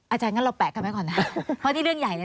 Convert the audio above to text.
อาจารย์งั้นเราแปะกันไว้ก่อนนะเพราะนี่เรื่องใหญ่เลย